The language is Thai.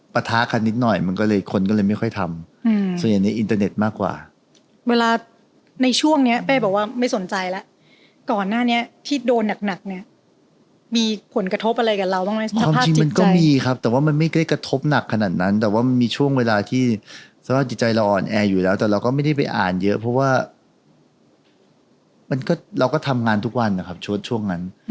ผมก็เลยอยากจะอวดรวยก็เลยลองดูว่า